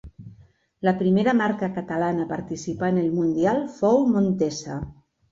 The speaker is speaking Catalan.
La primera marca catalana a participar en el mundial fou Montesa.